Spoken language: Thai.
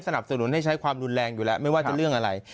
สนุนให้ใช้ความรุนแรงอยู่แล้วไม่ว่าจะเรื่องอะไร